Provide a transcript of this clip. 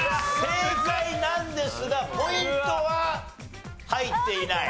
正解なんですがポイントは入っていない。